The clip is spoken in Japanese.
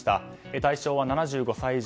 対象は７５歳以上。